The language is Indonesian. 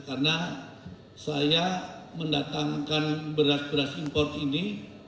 karena saya mendatangkan beras beras import ini